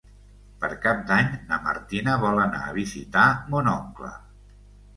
Per Cap d'Any na Martina vol anar a visitar mon oncle.